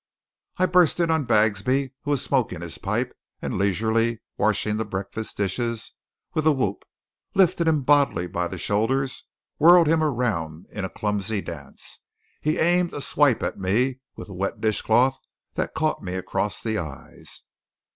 I burst in on Bagsby, who was smoking his pipe and leisurely washing the breakfast dishes, with a whoop, lifted him bodily by the shoulders, whirled him around in a clumsy dance. He aimed a swipe at me with the wet dish cloth that caught me across the eyes.